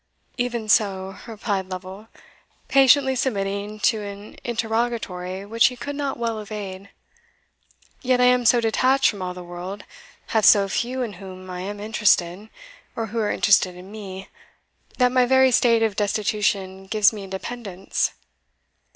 "Even so," replied Lovel, patiently submitting to an interrogatory which he could not well evade. "Yet I am so detached from all the world, have so few in whom I am interested, or who are interested in me, that my very state of destitution gives me independence.